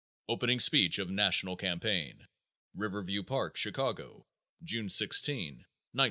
Opening Speech of National Campaign, Riverview Park, Chicago, June 16, 1912.